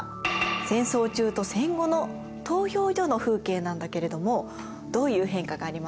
戦争中と戦後の投票所の風景なんだけれどもどういう変化がありますか？